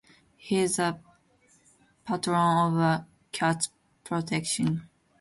He is the patron of Cats Protection.